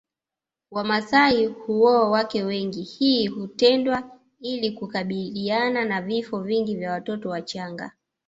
Wamasai huoa wake wengi hii hutendwa ili kukabiliana na vifo vingi vya watoto wachanga